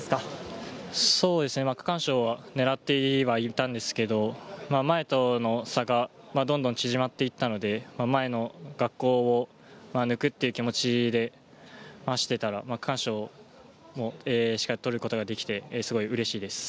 区間賞は狙っていたんですけれど、前との差がどんどん縮まっていったので、前の学校を抜く気持ちで走っていたら区間賞も取ることができてすごい嬉しいです。